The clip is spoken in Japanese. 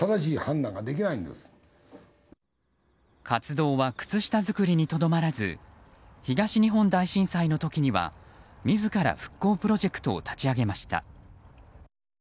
活動は靴下作りにとどまらず東日本大震災の時には自ら復興プロジェクトを立ち上げました。